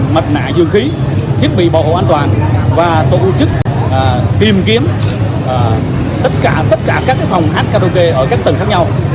mặt nạ dường khí thiết bị bảo hộ an toàn và tổ chức tìm kiếm tất cả các phòng hát karaoke ở các tầng khác nhau